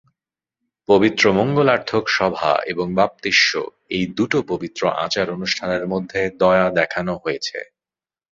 পবিত্র মঙ্গলার্থক সভা এবং বাপ্তিস্ম, এই দুটো পবিত্র আচার-অনুষ্ঠানের মধ্যে দয়া দেখানো হয়েছে।